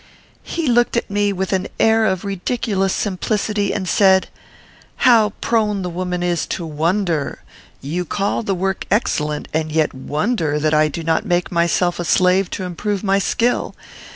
"He looked at me with an air of ridiculous simplicity, and said, 'How prone the woman is to wonder! You call the work excellent, and yet wonder that I do not make myself a slave to improve my skill!